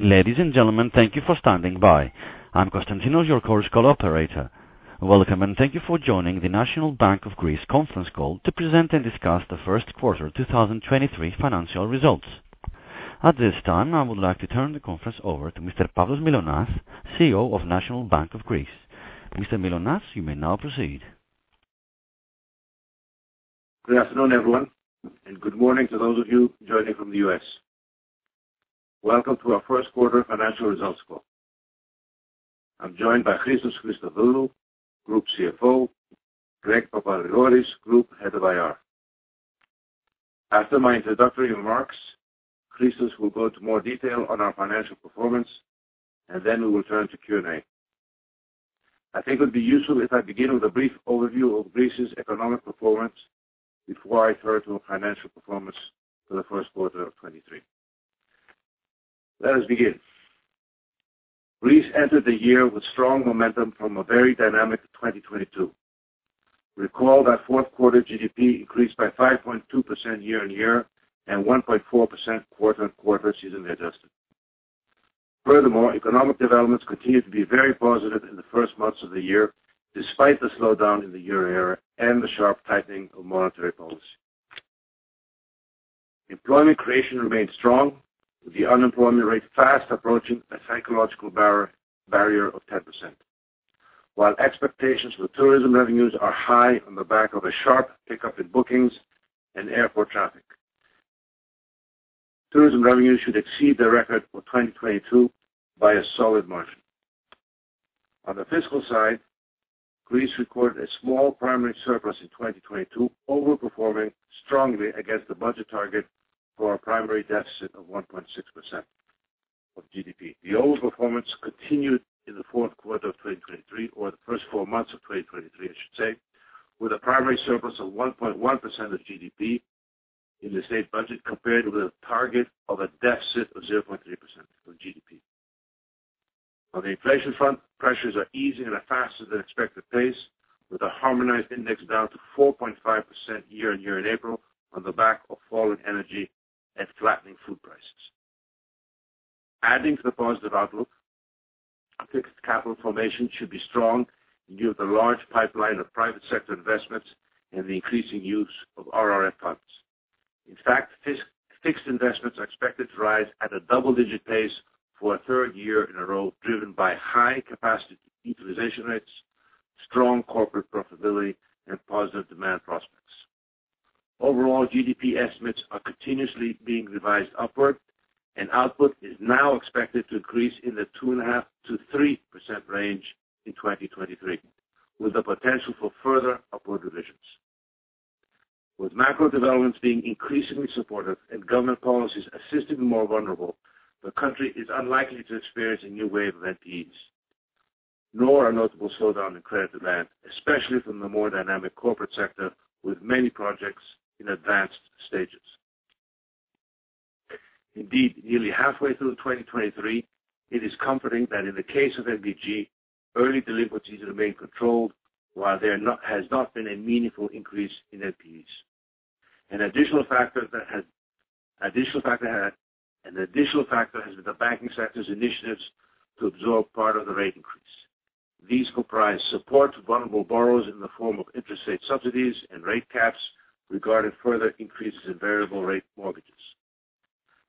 Ladies and gentlemen, thank you for standing by. I'm Constantinos, your Chorus Call operator. Welcome, and thank you for joining the National Bank of Greece conference call to present and discuss the first quarter 2023 financial results. At this time, I would like to turn the conference over to Mr. Pavlos Mylonas, CEO of National Bank of Greece. Mr. Mylonas, you may now proceed. Good afternoon, everyone, and good morning to those of you joining from the US. Welcome to our first quarter financial results call. I'm joined by Christos Christodoulou, Group CFO, Greg Papagrigoris, Group Head of IR. After my introductory remarks, Christos will go into more detail on our financial performance, and then we will turn to Q&A. I think it would be useful if I begin with a brief overview of Greece's economic performance before I turn to our financial performance for the first quarter of 2023. Let us begin. Greece entered the year with strong momentum from a very dynamic 2022. Recall that fourth quarter GDP increased by 5.2% year-on-year and 1.4% quarter-on-quarter seasonally adjusted. Economic developments continue to be very positive in the first months of the year, despite the slowdown in the euro area and the sharp tightening of monetary policy. Employment creation remains strong, with the unemployment rate fast approaching a psychological barrier of 10%. While expectations for tourism revenues are high on the back of a sharp pickup in bookings and airport traffic. Tourism revenues should exceed the record for 2022 by a solid margin. On the fiscal side, Greece recorded a small primary surplus in 2022, overperforming strongly against the budget target for a primary deficit of 1.6% of GDP. The overperformance continued in the fourth quarter of 2023, or the first four months of 2023, I should say, with a primary surplus of 1.1% of GDP in the state budget, compared with a target of a deficit of 0.3% of GDP. On the inflation front, pressures are easing at a faster than expected pace, with a harmonized index down to 4.5% year-on-year in April on the back of falling energy and flattening food prices. Adding to the positive outlook, fixed capital formation should be strong due to the large pipeline of private sector investments and the increasing use of RRF funds. In fact, fixed investments are expected to rise at a double-digit pace for a third year in a row, driven by high capacity utilization rates, strong corporate profitability, and positive demand prospects. Overall, GDP estimates are continuously being revised upward, and output is now expected to increase in the 2.5%-3% range in 2023, with the potential for further upward revisions. With macro developments being increasingly supportive and government policies assisting the more vulnerable, the country is unlikely to experience a new wave of NPEs, nor a notable slowdown in credit demand, especially from the more dynamic corporate sector with many projects in advanced stages. Indeed, nearly halfway through 2023, it is comforting that in the case of NBG, early delinquencies remain controlled while has not been a meaningful increase in NPEs. An additional factor has been the banking sector's initiatives to absorb part of the rate increase. These comprise support to vulnerable borrowers in the form of interest rate subsidies and rate caps regarding further increases in variable rate mortgages.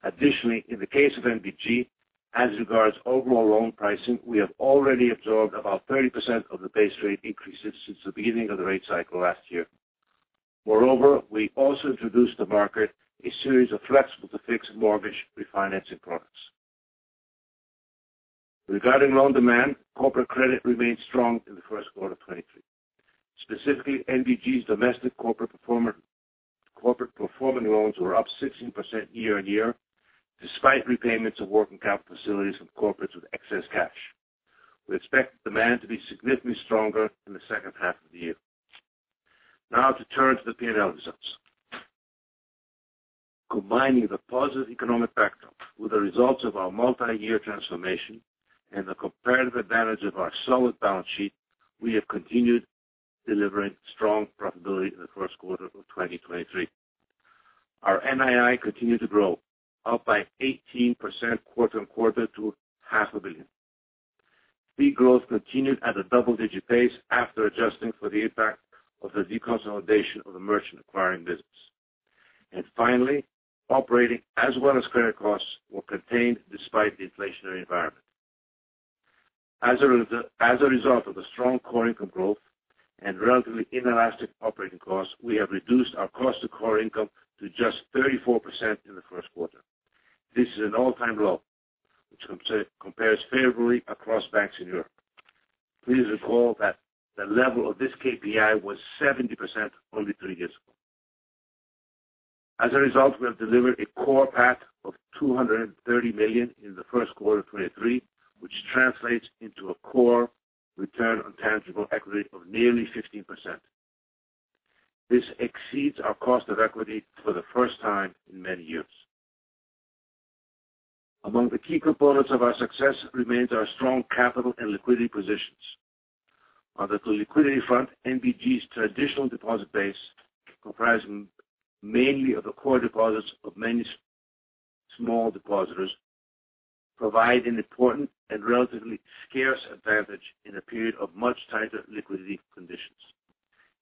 Additionally, in the case of NBG, as regards overall loan pricing, we have already absorbed about 30% of the base rate increases since the beginning of the rate cycle last year. Moreover, we also introduced to market a series of flexible to fixed mortgage refinancing products. Regarding loan demand, corporate credit remains strong in the first quarter of 2023. Specifically, NBG's domestic corporate performer, corporate performing loans were up 16% year-on-year, despite repayments of working capital facilities from corporates with excess cash. We expect demand to be significantly stronger in the second half of the year. Now to turn to the P&L results. Combining the positive economic backdrop with the results of our multi-year transformation and the comparative advantage of our solid balance sheet, we have continued delivering strong profitability in the first quarter of 2023. Our NII continued to grow, up by 18% quarter-on-quarter to EUR half a billion. Fee growth continued at a double-digit pace after adjusting for the impact of the deconsolidation of the merchant acquiring business. Finally, operating as well as credit costs were contained despite the inflationary environment. As a result of the strong core income growth and relatively inelastic operating costs, we have reduced our cost to core income to just 34% in the first quarter. This is an all-time low, which compares favorably across banks in Europe. Please recall that the level of this KPI was 70% only three years ago. As a result, we have delivered a core PAT of 230 million in the first quarter of 2023, which translates into a core Return on Tangible Equity of nearly 15%. This exceeds our cost of equity for the first time in many years. Among the key components of our success remains our strong capital and liquidity position. On the liquidity front, NBG's traditional deposit base, comprising mainly of the core deposits of many small depositors, provide an important and relatively scarce advantage in a period of much tighter liquidity conditions.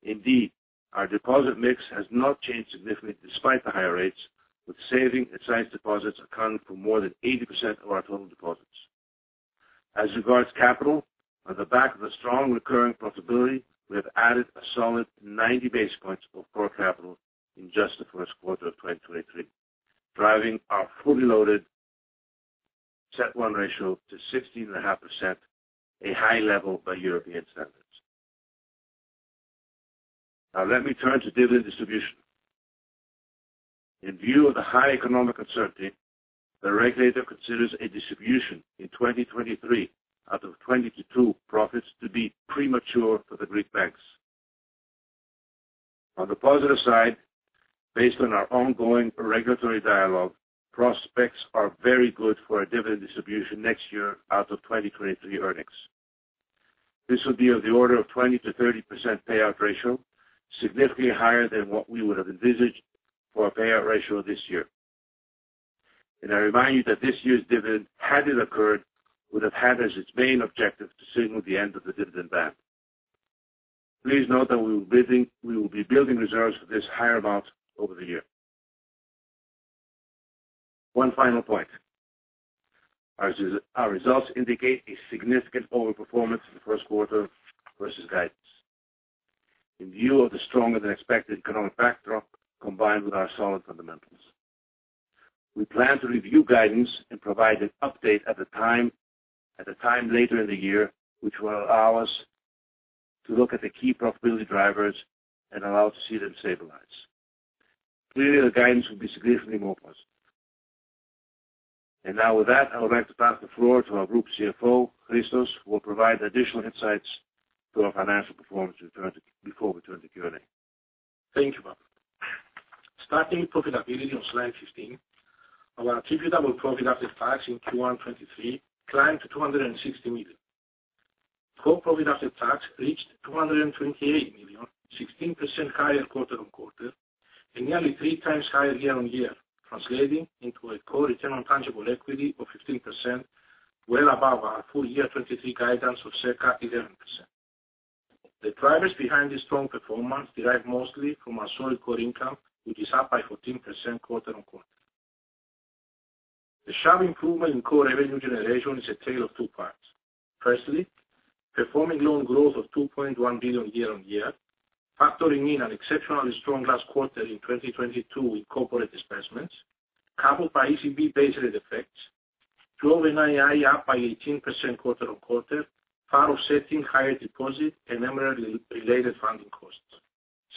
Indeed, our deposit mix has not changed significantly despite the higher rates, with saving and sight deposits accounting for more than 80% of our total deposits. As regards capital, on the back of the strong recurring profitability, we have added a solid 90 basis points of core capital in just the first quarter of 2023, driving our fully loaded CET1 ratio to 16.5%, a high level by European standards. Let me turn to dividend distribution. In view of the high economic uncertainty, the regulator considers a distribution in 2023 out of 2022 profits to be premature for the Greek banks. On the positive side, based on our ongoing regulatory dialogue, prospects are very good for a dividend distribution next year out of 2023 earnings. This will be of the order of 20%-30% payout ratio, significantly higher than what we would have envisaged for a payout ratio this year. I remind you that this year's dividend, had it occurred, would have had as its main objective to signal the end of the dividend ban. Please note that we will be building reserves for this higher amount over the year. One final point. Our results indicate a significant overperformance in the first quarter versus guidance. In view of the stronger than expected economic backdrop combined with our solid fundamentals, we plan to review guidance and provide an update at a time later in the year, which will allow us to look at the key profitability drivers and allow to see them stabilize. Clearly, the guidance will be significantly more positive. Now with that, I would like to pass the floor to our Group CFO, Christos, who will provide additional insights to our financial performance return before we turn to Q&A. Thank you, Pavlos. Starting with profitability on Slide 15, our attributable profit after tax in Q1 2023 climbed to 260 million. Core profit after tax reached 228 million, 16% higher quarter-on-quarter, and nearly 3x higher year-on-year, translating into a core Return on Tangible Equity of 15%, well above our full year 2023 guidance of circa 11%. The drivers behind this strong performance derive mostly from our solid core income, which is up by 14% quarter-on-quarter. The sharp improvement in core revenue generation is a tale of two parts. Firstly, performing loan growth of 2.1 billion year-on-year, factoring in an exceptionally strong last quarter in 2022 with corporate disbursements, coupled by ECB base rate effects, drove NII up by 18% quarter-on-quarter, far offsetting higher deposit and numerally related funding costs.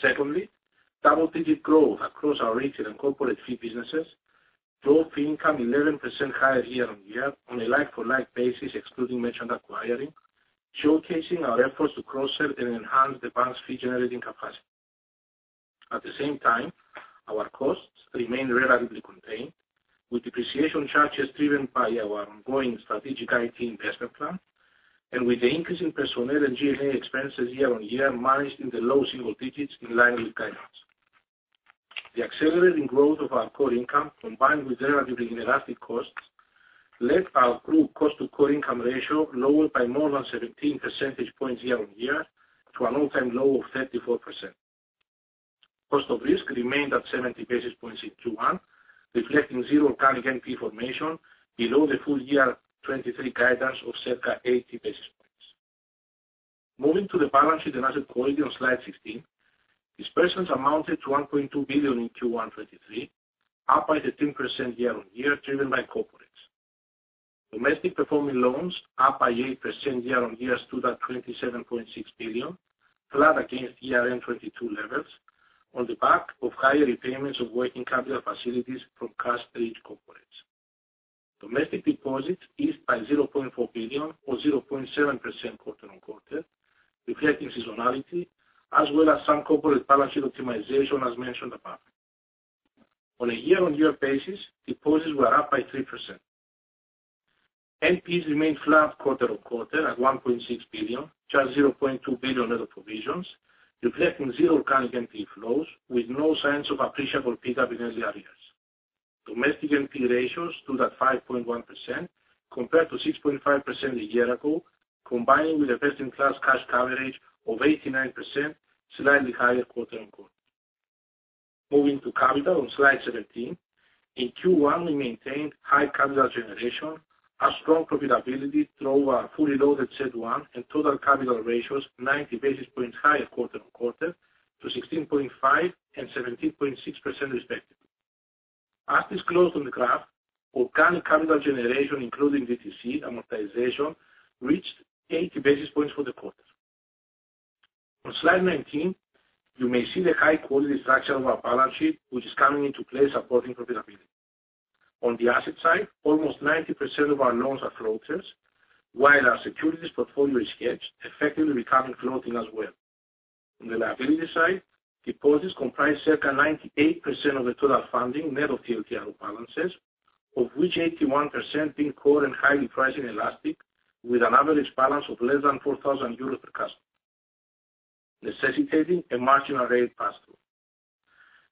Secondly, double-digit growth across our rates and corporate fee businesses drove fee income 11% higher year-on-year on a like-for-like basis, excluding merchant acquiring, showcasing our efforts to cross-sell and enhance the bank's fee generating capacity. At the same time, our costs remained relatively contained, with depreciation charges driven by our ongoing strategic IT investment plan and with the increase in personnel and G&A expenses year-on-year managed in the low single digits in line with guidance. The accelerating growth of our core income, combined with relatively inelastic costs, led our group cost to core income ratio lower by more than 17 percentage points year-on-year to an all-time low of 34%. Cost of risk remained at 70 basis points in Q1, reflecting zero organic NP formation below the full year 2023 guidance of circa 80 basis points. Moving to the balance sheet and asset quality on Slide 16, disbursements amounted to 1.2 billion in Q1 2023, up by 13% year-on-year, driven by corporates. Domestic performing loans up by 8% year-on-year stood at 27.6 billion, flat against year-end 2022 levels on the back of higher repayments of working capital facilities from cash-rich corporates. Domestic deposits eased by 0.4 billion or 0.7% quarter-on-quarter, reflecting seasonality as well as some corporate balance sheet optimization as mentioned above. On a year-on-year basis, deposits were up by 3%. NPEs remained flat quarter-on-quarter at 1.6 billion, charged 0.2 billion net of provisions, reflecting zero organic NPE flows with no signs of appreciable pickup in non-performing loans. Domestic NPE ratios stood at 5.1% compared to 6.5% a year ago, combining with a first-in-class cash coverage of 89%, slightly higher quarter-on-quarter. Moving to capital on Slide 17. In Q1, we maintained high capital generation. Our strong profitability drove our fully loaded CET1 and total capital ratios 90 basis points higher quarter-on-quarter to 16.5% and 17.6% respectively. As disclosed on the graph, organic capital generation, including DTC amortization, reached 80 basis points for the quarter. On Slide 19, you may see the high-quality structure of our balance sheet, which is coming into play, supporting profitability. On the asset side, almost 90% of our loans are floaters, while our securities portfolio is hedged, effectively becoming floating as well. On the liability side, deposits comprise circa 98% of the total funding net of TLTRO balances, of which 81% being core and highly price inelastic, with an average balance of less than 4,000 euros per customer, necessitating a marginal rate pass-through.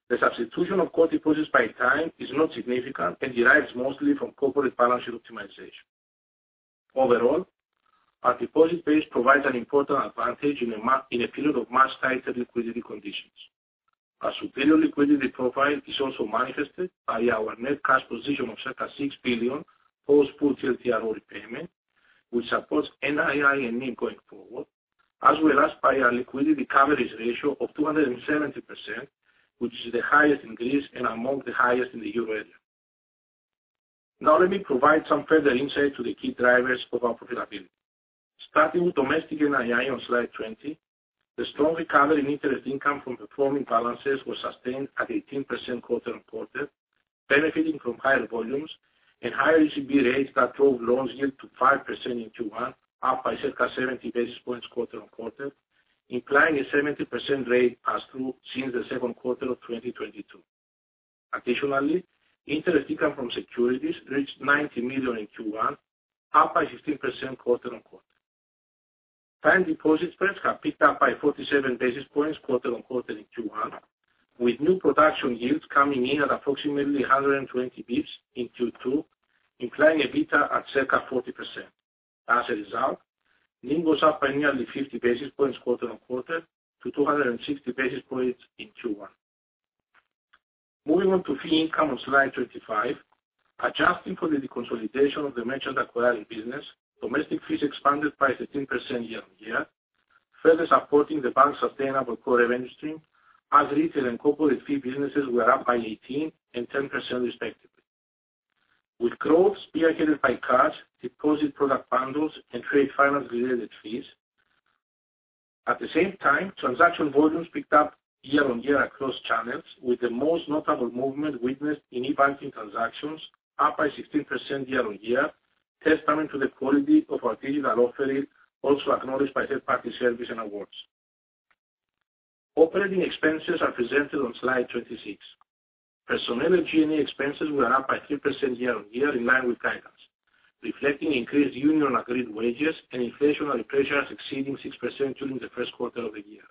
The substitution of core deposits by time is not significant and derives mostly from corporate balance sheet optimization. Overall, our deposit base provides an important advantage in a period of much tighter liquidity conditions. Our superior liquidity profile is also manifested by our net cash position of circa EUR 6 billion post full TLTRO repayment, which supports NII and NIM going forward, as well as by our Liquidity Coverage Ratio of 270%, which is the highest in Greece and among the highest in the euro area. Let me provide some further insight to the key drivers of our profitability. Starting with domestic NII on Slide 20, the strong recovery in interest income from performing balances was sustained at 18% quarter-on-quarter, benefiting from higher volumes and higher ECB rates that drove loans yield to 5% in Q1, up by circa 70 basis points quarter-on-quarter, implying a 70% rate pass-through since the second quarter of 2022. Interest income from securities reached 90 million in Q1, up by 16% quarter-on-quarter. Time deposit spreads have picked up by 47 basis points quarter-on-quarter in Q1, with new production yields coming in at approximately 120 bps in Q2, implying a beta at circa 40%. As a result, NIM was up by nearly 50 basis points quarter-on-quarter to 260 basis points in Q1. Moving on to fee income on Slide 25. Adjusting for the deconsolidation of the merchant acquired business, domestic fees expanded by 13% year-on-year, further supporting the bank's sustainable core revenue stream, as retail and corporate fee businesses were up by 18% and 10% respectively. With growth spearheaded by cards, deposit product bundles, and trade finance related fees. At the same time, transaction volumes picked up year-on-year across channels, with the most notable movement witnessed in e-banking transactions, up by 16% year-on-year, testament to the quality of our digital offering, also acknowledged by third party surveys and awards. Operating expenses are presented on Slide 26. Personnel and G&A expenses were up by 3% year-on-year, in line with guidance, reflecting increased union agreed wages and inflationary pressures exceeding 6% during the first quarter of the year.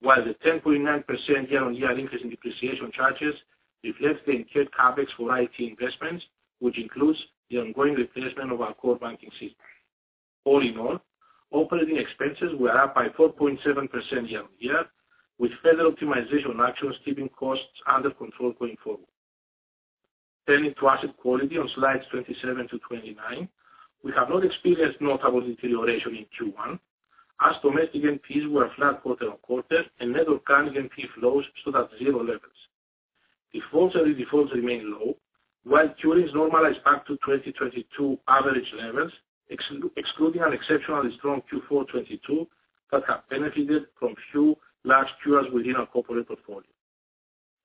The 10.9% year-on-year increase in depreciation charges reflects the incurred CapEx for IT investments, which includes the ongoing replacement of our core banking system. All in all, operating expenses were up by 4.7% year-on-year, with further optimization actions keeping costs under control going forward. Turning to asset quality on Slides 27-29. We have not experienced notable deterioration in Q1, as domestic NPEs were flat quarter on quarter and net of current NPE flows stood at 0 levels. Defaults and redefaults remain low, while cures normalized back to 2022 average levels, excluding an exceptionally strong Q4 2022, that have benefited from few large cures within our corporate portfolio.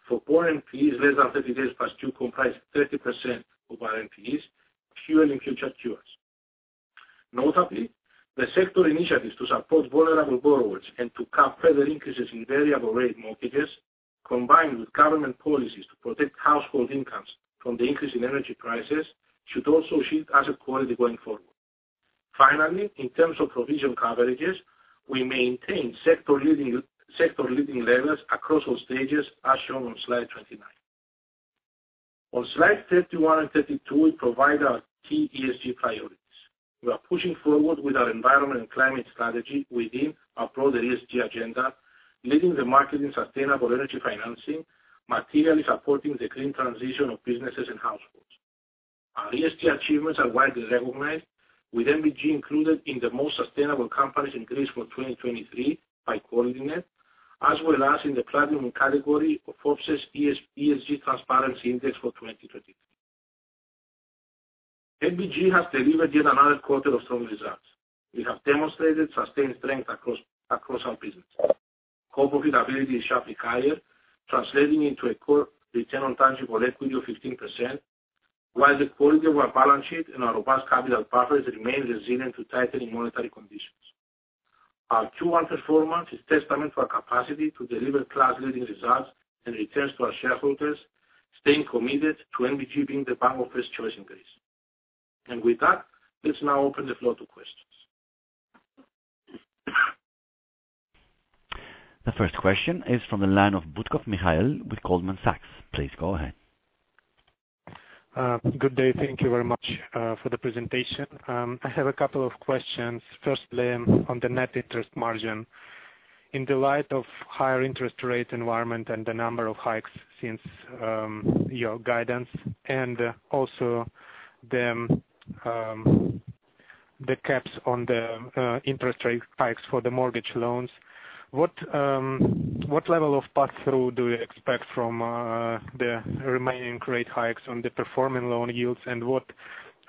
For core NPEs less than 30 days past due comprised 30% of our NPEs, curing in future cures. Notably, the sector initiatives to support vulnerable borrowers and to cap further increases in variable rate mortgages, combined with government policies to protect household incomes from the increase in energy prices, should also shield asset quality going forward. Finally, in terms of provision coverages, we maintain sector leading levels across all stages as shown on Slide 29. On Slides 31 and 32, we provide our key ESG priorities. We are pushing forward with our environment and climate strategy within our broader ESG agenda, leading the market in sustainable energy financing, materially supporting the green transition of businesses and households. Our ESG achievements are widely recognized, with NBG included in the most sustainable companies in Greece for 2023 by QualityNet, as well as in the platinum category of Forbes ESG Transparency Index for 2023. NBG has delivered yet another quarter of strong results. We have demonstrated sustained strength across our business. Core profitability is sharply higher, translating into a core Return on Tangible Equity of 15%, while the quality of our balance sheet and our robust capital buffers remain resilient to tightening monetary conditions. Our Q1 performance is testament to our capacity to deliver class leading results and returns to our shareholders, staying committed to NBG being the bank of first choice in Greece. With that, let's now open the floor to questions. The first question is from the line of Butkov Mikhail with Goldman Sachs. Please go ahead. Good day. Thank you very much for the presentation. I have a couple of questions. Firstly, on the net interest margin. In the light of higher interest rate environment and the number of hikes since your guidance and also the caps on the interest rate hikes for the mortgage loans, what level of pass-through do you expect from the remaining rate hikes on the performing loan yields? What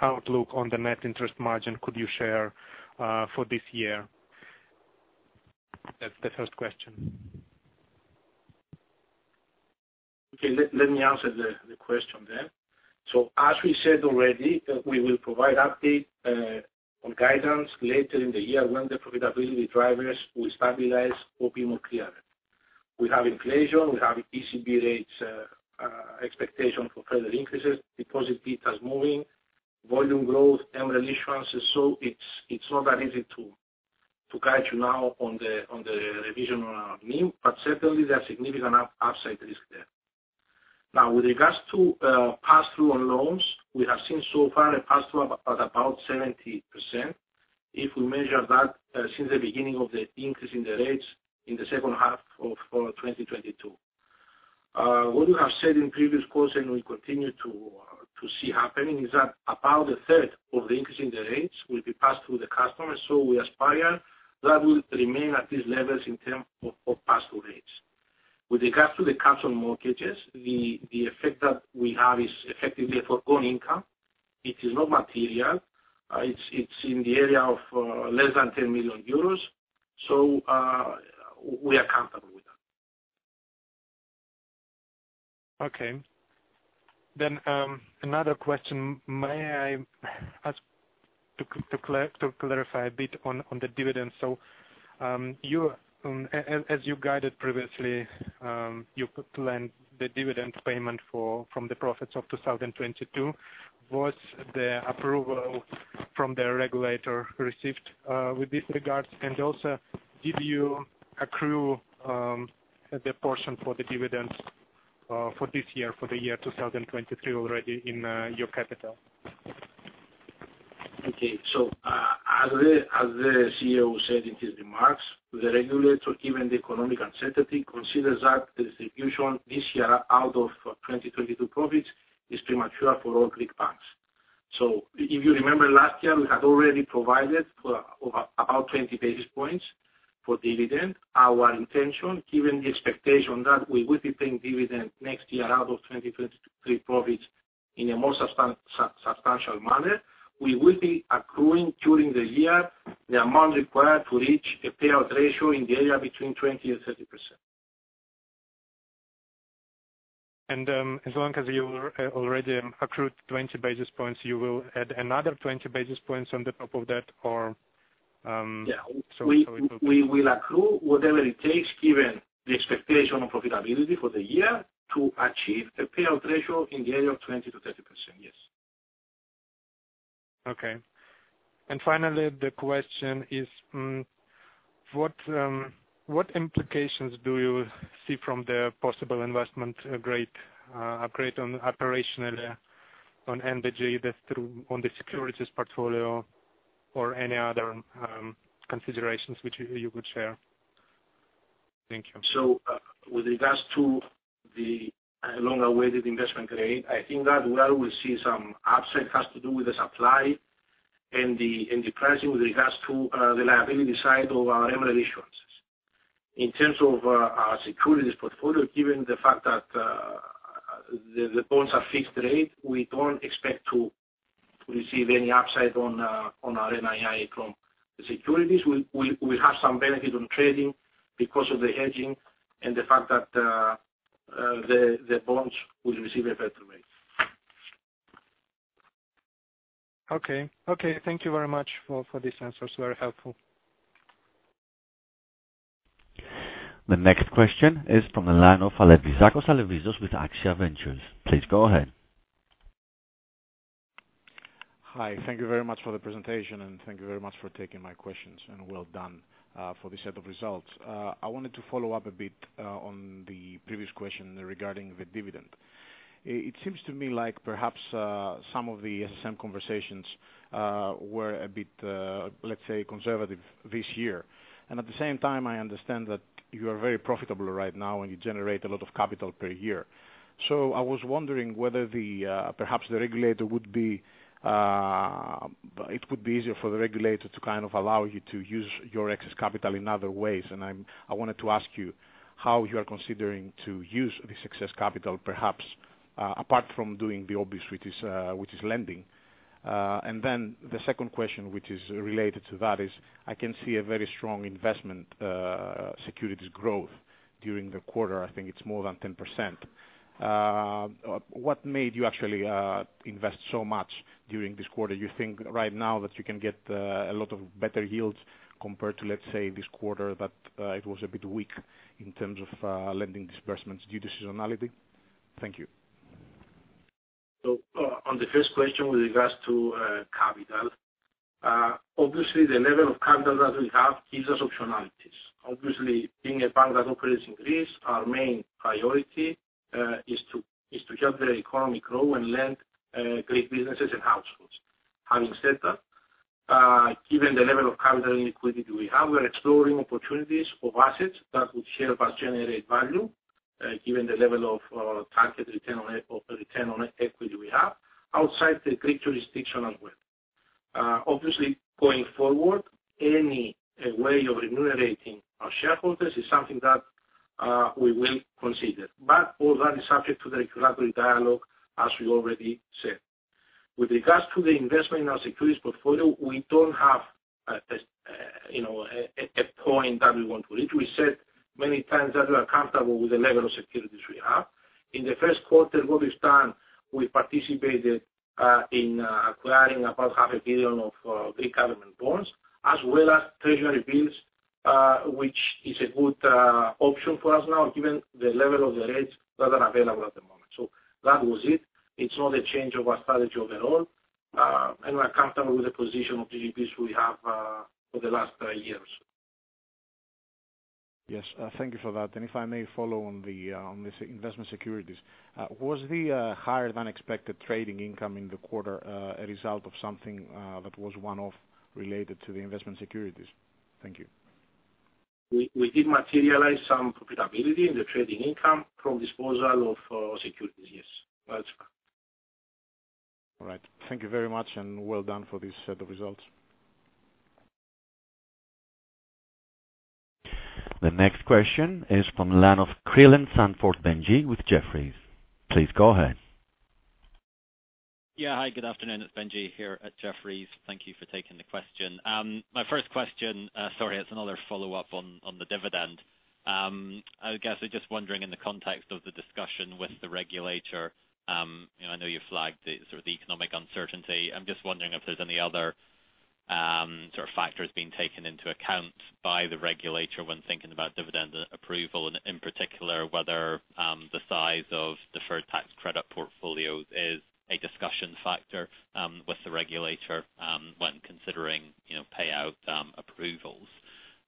outlook on the net interest margin could you share for this year? That's the first question. Okay. Let me answer the question then. As we said already, we will provide update on guidance later in the year when the profitability drivers will stabilize or be more clear. We have inflation, we have ECB rates, expectation for further increases, deposit betas moving, volume growth and reinsurance. It's not that easy to guide you now on the revision on our NIM, but certainly there are significant upside risk there. Now, with regards to pass-through on loans, we have seen so far a pass-through of about 70%. If we measure that since the beginning of the increase in the rates in the second half of 2022. What we have said in previous calls, and we continue to see happening, is that about a third of the increase in the rates will be passed through the customers. We aspire that will remain at these levels in terms of pass-through rates. With regards to the capped mortgages, the effect that we have is effectively a foregone income. It is not material. It's in the area of less than 10 million euros. We are comfortable with that. Okay. Another question. May I ask to clarify a bit on the dividend? As you guided previously, you planned the dividend payment from the profits of 2022. Was the approval from the regulator received with this regards? Did you accrue the portion for the dividends for this year, for the year 2023 already in your capital? Okay. As the CEO said in his remarks, the regulator, given the economic uncertainty, consider that distribution this year out of 2022 profits is premature for all Greek banks. If you remember last year, we had already provided for about 20 basis points for dividend. Our intention, given the expectation that we will be paying dividend next year out of 2022 pre-profits in a more substantial manner, we will be accruing during the year the amount required to reach a payout ratio in the area between 20% and 30%. As long as you already accrued 20 basis points, you will add another 20 basis points on the top of that or— Yeah. So we will accrue whatever it takes, given the expectation of profitability for the year, to achieve a payout ratio in the area of 20%-30%, yes. Okay. Finally, the question is, what implications do you see from the possible investment grade upgrade on operationally on NBG? On the securities portfolio or any other considerations which you could share? Thank you. With regards to the long-awaited investment grade, I think that where we see some upside has to do with the supply and the pricing with regards to the liability side of our MREL issuances. In terms of our securities portfolio, given the fact that the bonds are fixed rate, we don't expect to receive any upside on our NII from the securities. We have some benefit on trading because of the hedging and the fact that the bonds will receive a better rate. Okay, thank you very much for these answers. Very helpful. The next question is from the line of Alevizakos Alevizos with AXIA Ventures. Please go ahead. Hi. Thank you very much for the presentation. Thank you very much for taking my questions, and well done for the set of results. I wanted to follow up a bit on the previous question regarding the dividend. It seems to me like perhaps some of the SSM conversations were a bit, let's say, conservative this year. At the same time, I understand that you are very profitable right now, and you generate a lot of capital per year. I was wondering whether the perhaps the regulator would be, it would be easier for the regulator to kind of allow you to use your excess capital in other ways. I wanted to ask you how you are considering to use this excess capital, perhaps, apart from doing the obvious, which is lending. The second question, which is related to that is, I can see a very strong investment securities growth during the quarter. I think it's more than 10%. What made you actually invest so much during this quarter? You think right now that you can get a lot of better yields compared to, let's say, this quarter, that it was a bit weak in terms of lending disbursements due to seasonality? Thank you. On the first question with regards to capital, obviously the level of capital that we have gives us optionalities. Obviously, being a bank that operates in Greece, our main priority is to help the economy grow and lend Greek businesses and households. Having said that, given the level of capital and liquidity we have, we are exploring opportunities of assets that would help us generate value, given the level of target return on equity we have, outside the Greek jurisdiction as well. Obviously, going forward, any way of remunerating our shareholders is something that we will consider, but all that is subject to the regulatory dialogue, as we already said. With regards to the investment in our securities portfolio, we don't have, you know, a point that we want to reach. We said many times that we are comfortable with the level of securities we have. In the first quarter, what we've done, we participated in acquiring about half a billion of Greek government bonds as well as treasury bills, which is a good option for us now given the level of the rates that are available at the moment. That was it. It's not a change of our strategy overall, and we're comfortable with the position of DTCs we have for the last years. Yes. Thank you for that. If I may follow on the, on the investment securities, was the higher than expected trading income in the quarter a result of something that was one-off related to the investment securities? Thank you. We did materialize some profitability in the trading income from disposal of securities. Yes, that's correct. All right. Thank you very much and well done for this set of results. The next question is from the line of Creelan-Sandford Benjie with Jefferies. Please go ahead. Yeah. Hi, good afternoon. It's Benji here at Jefferies. Thank you for taking the question. My first question, sorry, it's another follow-up on the dividend. I guess I just wondering in the context of the discussion with the regulator, you know, I know you flagged the sort of the economic uncertainty. I'm just wondering if there's any other sort of factors being taken into account by the regulator when thinking about dividend approval, and in particular, whether the size of deferred tax credit portfolios is a discussion factor with the regulator when considering, you know, payout approvals.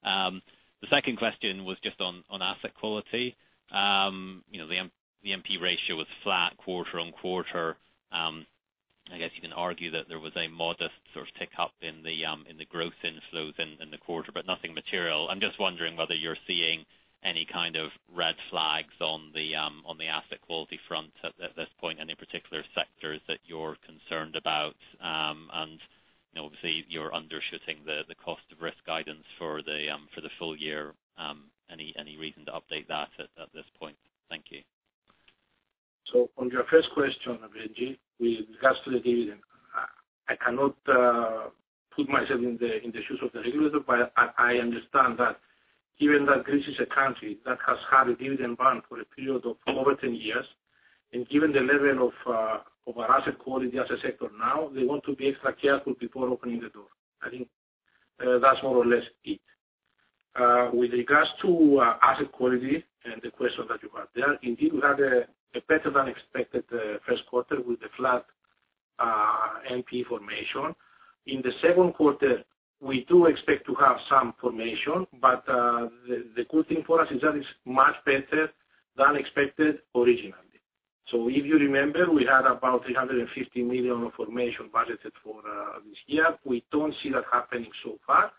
The second question was just on asset quality. You know, the NPE ratio was flat quarter-over-quarter. I guess you can argue that there was a modest sort of tick up in the growth inflows in the quarter, but nothing material. I'm just wondering whether you're seeing any kind of red flags on the asset quality front at this point, any particular sectors that you're concerned about? Obviously you're undershooting the cost of risk guidance for the full year. Any reason to update that at this point? Thank you. On your 1st question, Benji, with regards to the dividend, I cannot put myself in the, in the shoes of the regulator, but I understand that given that Greece is a country that has had a dividend ban for a period of over 10 years, and given the level of our asset quality as a sector now, they want to be extra careful before opening the door. I think that's more or less it. With regards to asset quality and the question that you had, there indeed we had a better than expected 1st quarter with the flat NP formation. In the 2nd quarter, we do expect to have some formation, but the good thing for us is that is much better than expected originally. If you remember, we had about 350 million of formation budgeted for this year. We don't see that happening so far.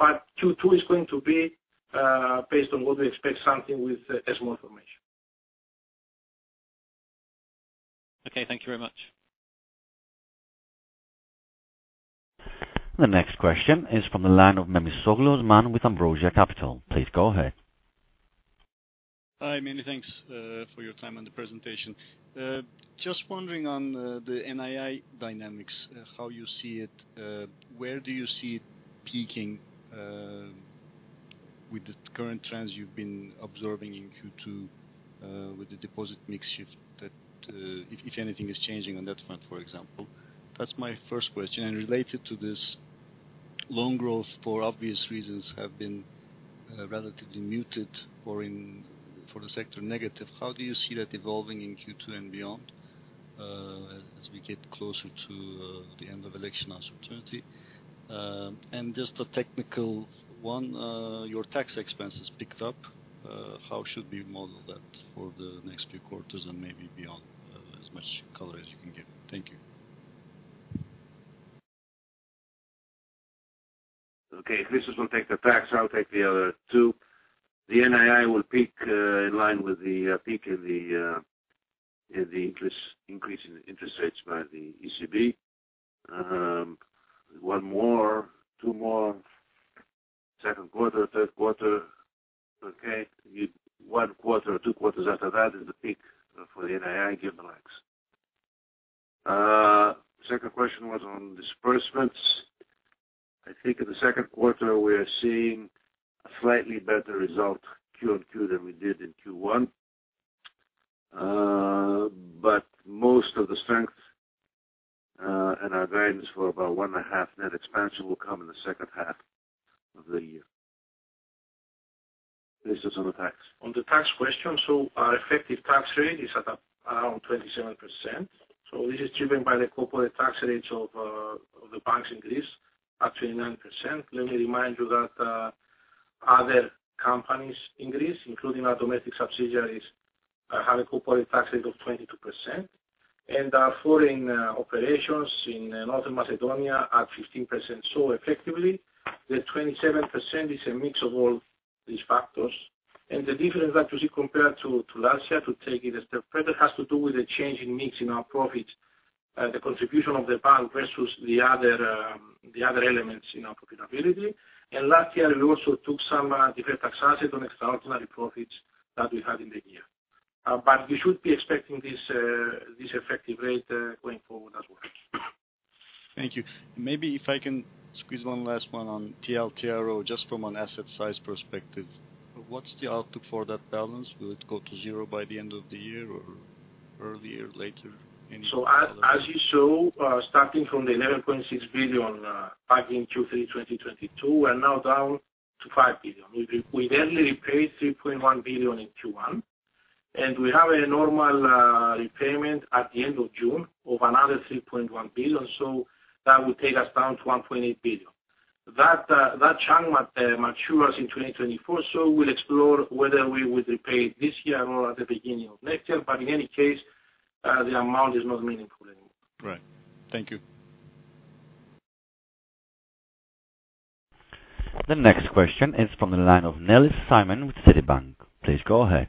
Q2 is going to be, based on what we expect, something with a small formation. Okay, thank you very much. The next question is from the line of Memisoglu Osman with Ambrosia Capital. Please go ahead. Hi, many thanks for your time and the presentation. Just wondering on the NII dynamics, how you see it. Where do you see it peaking with the current trends you've been observing in Q2, with the deposit mix shift that, if anything is changing on that front, for example? That's my first question. Related to this, loan growth for obvious reasons, have been relatively muted or in, for the sector negative. How do you see that evolving in Q2 and beyond, as we get closer to the end of election uncertainty? Just a technical one, your tax expenses picked up, how should we model that for the next few quarters and maybe beyond, as much color as you can give? Thank you. Okay. Christos will take the tax. I'll take the other two. The NII will peak, in line with the peak in the interest, increase in interest rates by the ECB. One more, two more, second quarter, third quarter. Okay. One quarter or one quarters after that is the peak for the NII, give or less. Second question was on disbursements. I think in the second quarter we are seeing a slightly better result Q on Q than we did in Q1. Most of the strength, and our guidance for about 1.5 net expansion will come in the second half of the year. Christos on the tax. On the tax question, our effective tax rate is at around 27%. This is driven by the corporate tax rates of the banks in Greece at 29%. Let me remind you that other companies in Greece, including our domestic subsidiaries, have a corporate tax rate of 22%. Our foreign operations in Northern Macedonia are 15%. Effectively the 27% is a mix of all these factors. The difference that you see compared to last year, to take it a step further, has to do with the change in mix in our profits, the contribution of the bank versus the other, the other elements in our profitability. Last year, we also took some deferred tax assets on extraordinary profits that we had in the year. You should be expecting this effective rate going forward as well. Thank you. Maybe if I can squeeze one last one on TLTRO, just from an asset size perspective, what's the outlook for that balance? Will it go to zero by the end of the year or earlier or later? Any color? As you saw, starting from the 11.6 billion back in Q3 2022, we're now down to 5 billion. We then repay 3.1 billion in Q1, and we have a normal repayment at the end of June of another 3.1 billion. That will take us down to 1.8 billion. That chunk matures in 2024, we'll explore whether we would repay it this year or at the beginning of next year. In any case, the amount is not meaningful. Right. Thank you. The next question is from the line of Nellis Simon with Citibank. Please go ahead.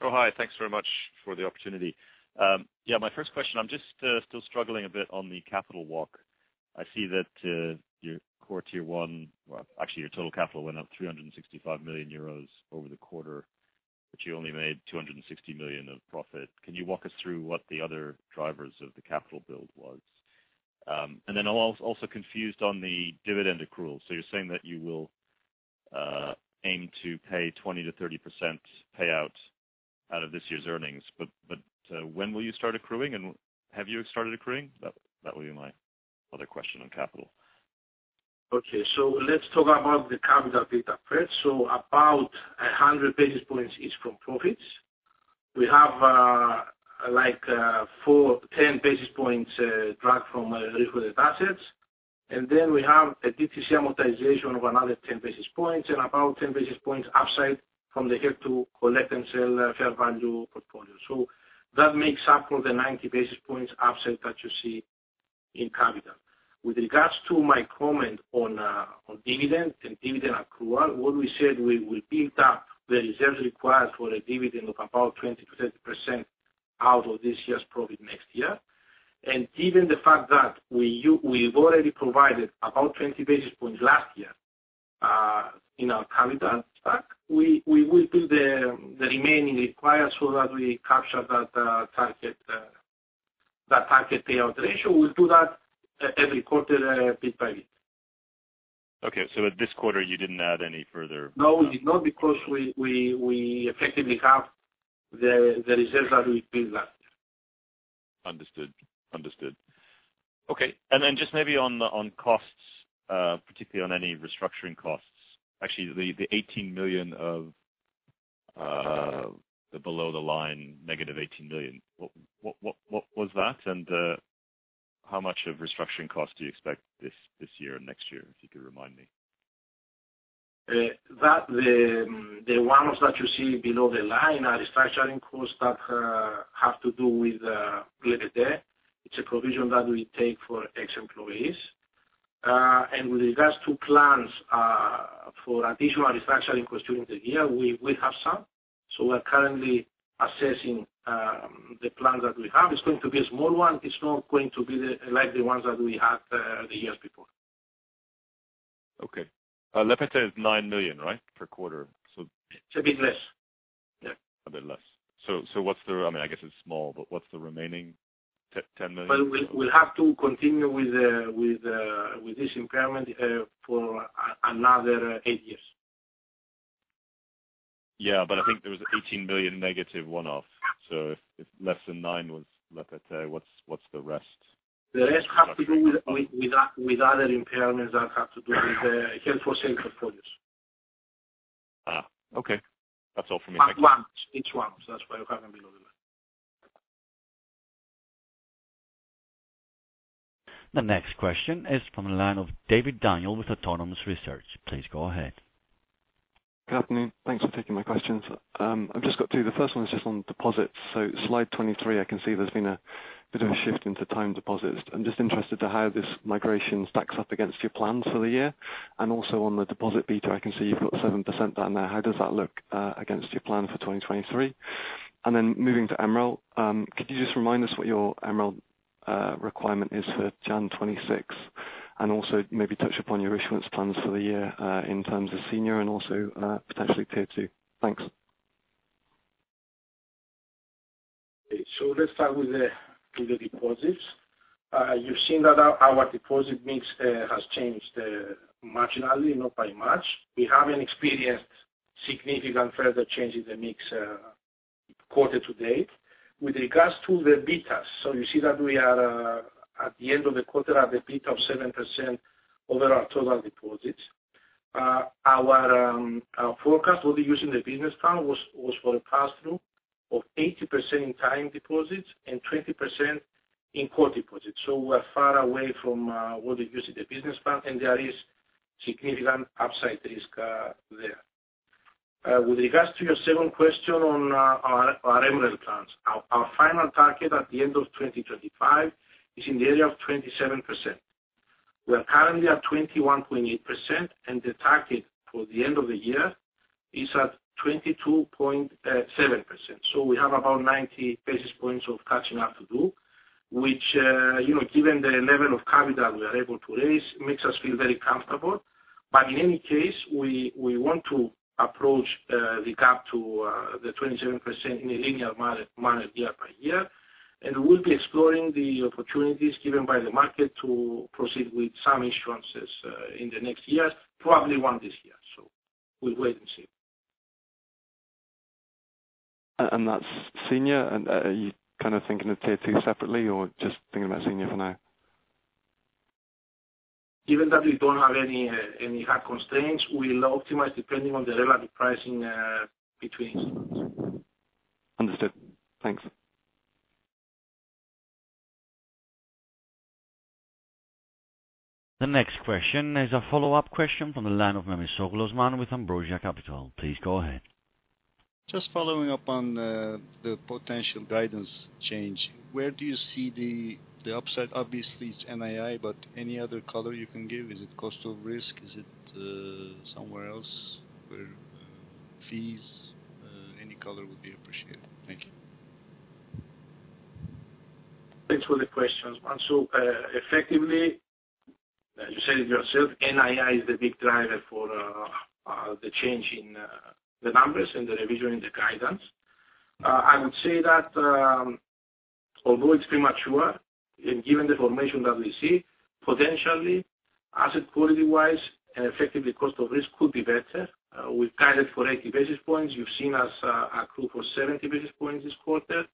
Hi, thanks very much for the opportunity. Yeah, my first question, I'm just still struggling a bit on the capital walk. I see that your core Tier 1—well, actually, your total capital went up 365 million euros over the quarter, but you only made 260 million of profit. Can you walk us through what the other drivers of the capital build was? And then I'm also confused on the dividend accrual. You're saying that you will aim to pay 20%-30% payout out of this year's earnings, but, when will you start accruing, and have you started accruing? That would be my other question on capital. Okay. Let's talk about the capital delta first. About 100 basis points is from profits. We have, like, 10 basis points dropped from risk-weighted assets. Then we have a DTC amortization of another 10 basis points and about 10 basis points upside from the Held to Collect and Sell fair value portfolio. That makes up for the 90 basis points upside that you see in capital. With regards to my comment on dividends and dividend accrual, what we said, we built up the reserves required for a dividend of about 20% out of this year's profit next year. Given the fact that we've already provided about 20 basis points last year in our capital stack, we will do the remaining required so that we capture that target payout ratio. We'll do that every quarter, bit-by-bit. Okay. At this quarter, you didn't add any further? No, we did not because we effectively have the reserves that we built last year. Understood. Understood. Okay. Just maybe on costs, particularly on any restructuring costs. Actually, the 18 million of the below the line, negative 18 million. What was that and how much of restructuring costs do you expect this year and next year, if you could remind me? That the one-offs that you see below the line are restructuring costs that have to do with LEPETE. It's a provision that we take for ex-employees. With regards to plans for additional restructuring costs during the year, we will have some. We're currently assessing the plans that we have. It's going to be a small one. It's not going to be the, like, the ones that we had the years before. Okay. LEPETE is 9 million, right? Per quarter? It's a bit less. Yeah. A bit less. I mean, I guess it's small, but what's the remaining 10 million? Well, we'll have to continue with this impairment for another eight years. I think there was 18 million negative one-off. If less than 9 was LEPETE, what's the rest? The rest have to do with other impairments that have to do with the Held for Sale portfolios. Okay. That's all from me. Thank you. Net ones—each ones that's why you have them below the line. The next question is from the line of David Daniel with Autonomous Research. Please go ahead. Good afternoon. Thanks for taking my questions. I've just got two. The first one is just on deposits. Slide 23, I can see there's been a bit of a shift into time deposits. I'm just interested to how this migration stacks up against your plans for the year. Also on the deposit beta, I can see you've got 7% down there. How does that look against your plan for 2023? Moving to MREL, could you just remind us what your MREL requirement is for Jan 2026? Also maybe touch upon your issuance plans for the year in terms of senior and also potentially Tier 2. Thanks. Let's start with the, with the deposits. You've seen that our deposit mix, has changed, marginally, not by much. We haven't experienced significant further change in the mix, quarter to date. With regards to the betas, you see that we are, at the end of the quarter at a beta of 7% over our total deposits. Our, our forecast, what we use in the business plan was for a pass-through of 80% in time deposits and 20% in core deposits. We're far away from, what we use in the business plan, and there is significant upside risk, there. With regards to your second question on our MREL plans, our final target at the end of 2025 is in the area of 27%. We are currently at 21.8%, and the target for the end of the year is at 22.7%. We have about 90 basis points of catching up to do, which, you know, given the level of capital we are able to raise, makes us feel very comfortable. In any case, we want to approach the gap to the 27% in a linear manner, year by year. We'll be exploring the opportunities given by the market to proceed with some issuances in the next years, probably one this year. We'll wait and see. That's senior? Are you kinda thinking of Tier 2 separately, or just thinking about senior for now? Given that we don't have any hard constraints, we'll optimize depending on the relative pricing, between instruments. Understood. Thanks. The next question is a follow-up question from the line of Memisoglu Osman with Ambrosia Capital. Please go ahead. Just following up on the potential guidance change. Where do you see the upside? Obviously it's NII, but any other color you can give? Is it cost of risk? Is it somewhere else? Where fees? Any color would be appreciated. Thank you. Thanks for the question, Osman. Effectively, you said it yourself, NII is the big driver for the change in the numbers and the revision in the guidance. I would say that, although it's premature, in given the formation that we see, potentially asset quality-wise and effectively cost of risk could be better. We've guided for 80 basis points. You've seen us accrue for 70 basis points this quarter.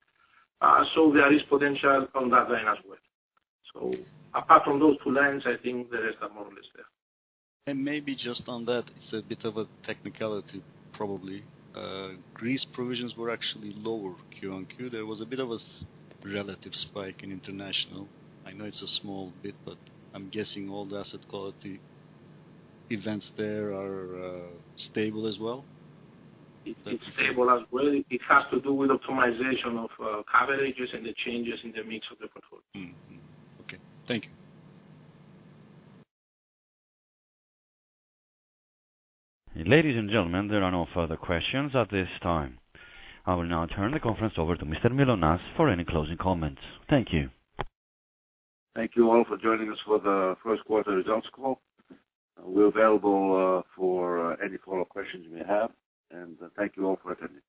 There is potential on that line as well. Apart from those two lines, I think the rest are more or less there. Maybe just on that, it's a bit of a technicality probably. Greece provisions were actually lower Q-on-Q. There was a bit of a relative spike in international. I know it's a small bit, but I'm guessing all the asset quality events there are stable as well? It's stable as well. It has to do with optimization of coverages and the changes in the mix of the portfolio. Okay. Thank you. Ladies and gentlemen, there are no further questions at this time. I will now turn the conference over to Mr. Mylonas for any closing comments. Thank you. Thank you all for joining us for the first quarter results call. We're available for any follow-up questions you may have. Thank you all for attending.